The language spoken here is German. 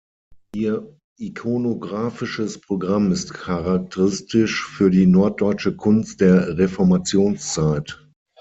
Ihr ikonographisches Programm ist charakteristisch für die norddeutsche Kunst der Reformationszeit.